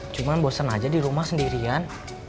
cuma bosen aja di rumah sendirian